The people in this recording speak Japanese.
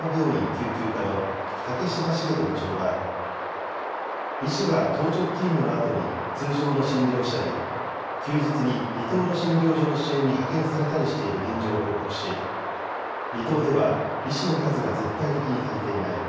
救急科の竹島茂人部長は医師が当直勤務のあとに通常の診療をしたり休日に離島の診療所の支援に派遣されたりしている現状を報告し離島では医師の数が絶対的に足りていない。